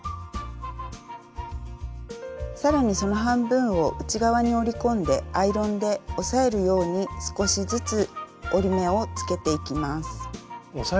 更にその半分を内側に折り込んでアイロンで押さえるように少しずつ折り目をつけていきます。